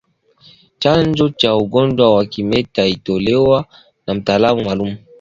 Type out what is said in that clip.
Chanjo ya ugonjwa wa kimeta itolewe na mtaalamu maalumu